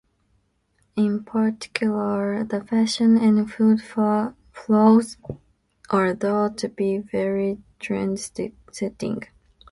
In particular, the fashion and food floors are thought to be very trendsetting.